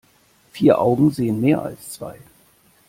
Vier Augen sehen mehr als zwei.